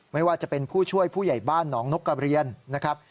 ไม่ว่าจะเป็นผู้ช่วยผู้ใหญ่บ้านหนองนกกระเรียนนะครับ